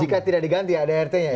jika tidak diganti ya adrt nya ya